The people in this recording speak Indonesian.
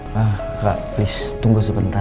rara please tunggu sebentar